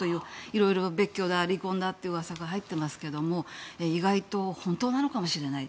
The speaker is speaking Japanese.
色々、別居だ、離婚だといううわさが入っていますが意外と本当なのかもしれない。